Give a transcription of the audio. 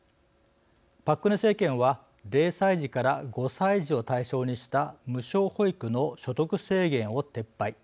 パク・クネ政権は０歳児から５歳児を対象にした無償保育の所得制限を撤廃。